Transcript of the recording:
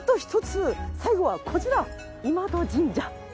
最後はこちら今戸神社。